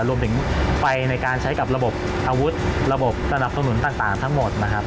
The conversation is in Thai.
รวมไปถึงไฟในการใช้กับระบบอาวุธระบบสนับสนุนต่างทั้งหมดนะครับ